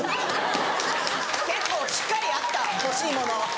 結構しっかりあった欲しいもの。